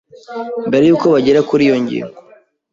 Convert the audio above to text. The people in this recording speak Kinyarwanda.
mbere yuko bagera kuri iyo ngingo,